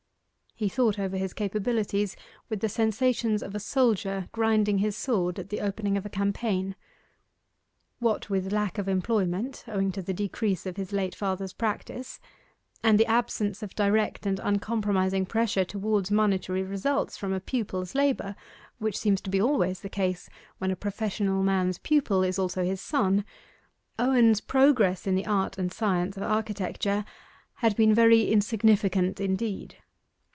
He thought over his capabilities with the sensations of a soldier grinding his sword at the opening of a campaign. What with lack of employment, owing to the decrease of his late father's practice, and the absence of direct and uncompromising pressure towards monetary results from a pupil's labour (which seems to be always the case when a professional man's pupil is also his son), Owen's progress in the art and science of architecture had been very insignificant indeed.